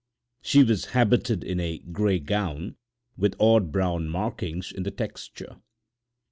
She was habited in a gray gown with odd brown markings in the texture.